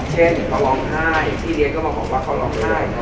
เช่นเขาร้องไห้พี่เรียนก็บอกว่าเขาร้องไห้